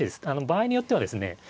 場合によってはですね